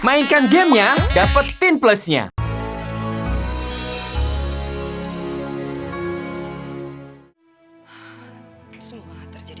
mainkan gamenya dapetin plusnya